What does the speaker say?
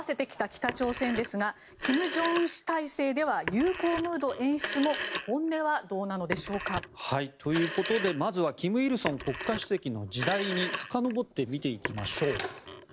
北朝鮮ですが金正恩氏体制では友好ムード演出も本音はどうなのでしょうか。ということでまずは金日成国家主席の時代にさかのぼって見ていきましょう。